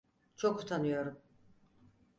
Çok utanıyorum!